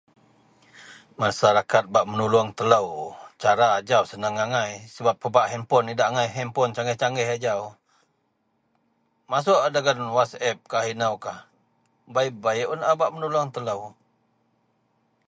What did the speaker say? Masarakat bak menolong telo, cara ajau senang angai sebab pebak hanpon, idak hanpon cangih ajau masok un dagen wasap kah ino kah bei-bei un a bak menolong telo.